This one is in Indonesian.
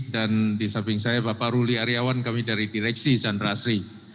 dan di samping saya bapak ruli aryawan kami dari direksi chandra asri